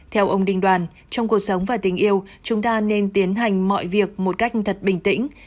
theo ông đình đoàn trong cuộc sống và tình yêu chúng ta nên tiến hành mọi việc một cách thật bình tĩnh